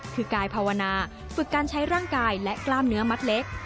คือกายภาวนาฝึกการใช้ร่างกายและกล้ามเนื้อมัดเล็ก